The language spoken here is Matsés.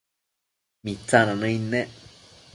Mitsina nëid nec